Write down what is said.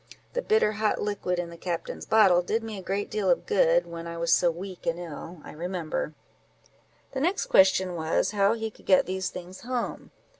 The bitter hot liquor in the captain's bottle did me a great deal of good, when I was so weak and ill, I remember." The next question was, how he could get these things home.